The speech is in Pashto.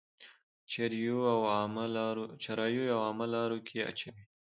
چريو او عامه لارو کي اچوئ.